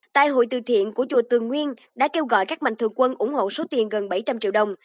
tại hội từ thiện của chùa tường nguyên đã kêu gọi các mạnh thường quân ủng hộ số tiền gần bảy trăm linh triệu đồng